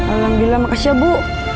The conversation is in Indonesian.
alhamdulillah makasih ya bu